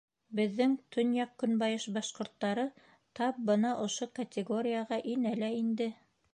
Беҙҙең төньяҡ-көнбайыш башҡорттары тап бына ошо категорияға инә лә инде.